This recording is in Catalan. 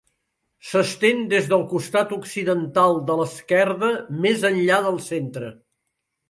S'estén des del costat occidental de l'esquerda, més enllà del centre.